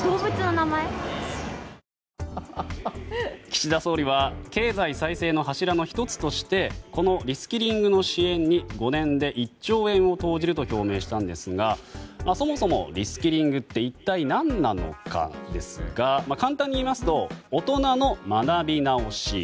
岸田総理は経済再生の柱の１つとしてこのリスキリングの支援に５年で１兆円を投じると表明したんですがそもそもリスキリングって一体、何なのかですが簡単に言いますと大人の学び直し。